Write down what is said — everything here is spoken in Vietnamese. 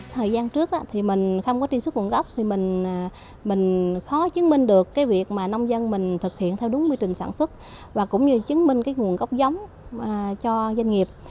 thời gian trước thì mình không có truy xuất nguồn gốc thì mình khó chứng minh được cái việc mà nông dân mình thực hiện theo đúng quy trình sản xuất và cũng như chứng minh cái nguồn gốc giống cho doanh nghiệp